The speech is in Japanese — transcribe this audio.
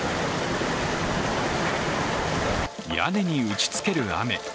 屋根に打ちつける雨。